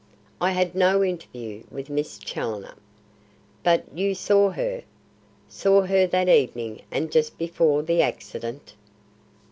"I had no interview with Miss Challoner." "But you saw her? Saw her that evening and just before the accident?"